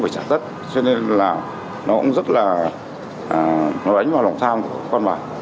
không phải trả tất cho nên là nó cũng rất là nó đánh vào lòng tham của con bạc